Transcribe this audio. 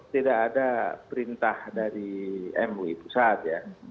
tidak ada perintah dari mui pusat ya